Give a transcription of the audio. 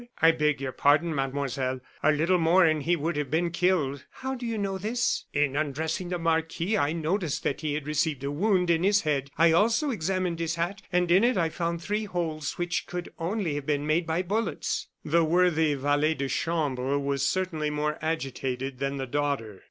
"I beg your pardon, Mademoiselle, a little more and he would have been killed." "How do you know this?" "In undressing the marquis I noticed that he had received a wound in the head. I also examined his hat, and in it I found three holes, which could only have been made by bullets." The worthy valet de chambre was certainly more agitated than the daughter.